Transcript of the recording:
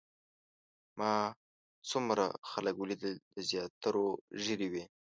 ما څومره خلک ولیدل د زیاترو ږیرې وې.